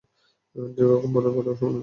দীর্ঘক্ষণ তাদের পতাকা সমুন্নত ছিল।